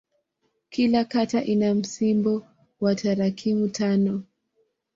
Kila kata ina msimbo wa tarakimu tano.